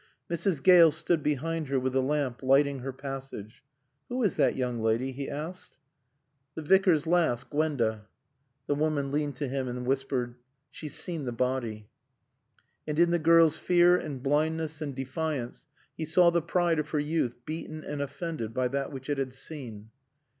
Mrs. Gale stood behind her with a lamp, lighting her passage. "Who is that young lady?" he asked. "T' Vicar's laass, Gwanda." The woman leaned to him and whispered, "She's seen t' body." And in the girl's fear and blindness and defiance he saw the pride of her youth beaten and offended by that which it had seen.